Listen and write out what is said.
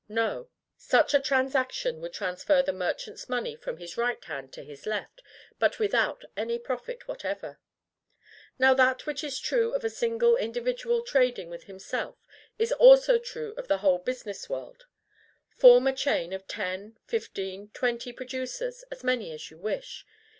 No: such a transaction would transfer the merchant's money from his right hand to his left, but without any profit whatever. Now, that which is true of a single individual trading with himself is true also of the whole business world. Form a chain of ten, fifteen, twenty producers; as many as you wish.